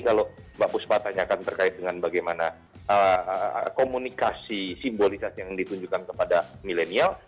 kalau mbak puspat tanya akan terkait dengan bagaimana komunikasi simbolisasi yang ditunjukkan kepada milenial